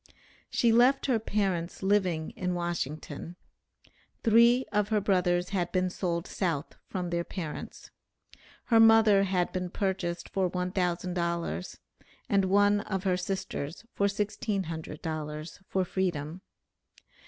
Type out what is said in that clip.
She left her parents living in Washington. Three of her brothers had been sold South from their parents. Her mother had been purchased for $1,000, and one of her sisters for $1,600 for freedom.